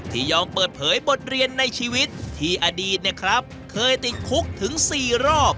ที่ยอมเปิดเผยบทเรียนในชีวิตที่อดีตนี่ครับเคยติดคลุกถึงสี่รอบ